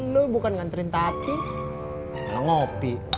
lo bukan nganterin tapi malah ngopi